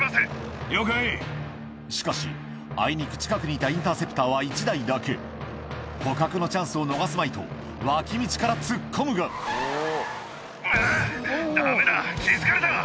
しかしあいにく近くにいたインターセプターは１台だけ捕獲のチャンスを逃すまいと脇道から突っ込むがあぁダメだ気付かれた。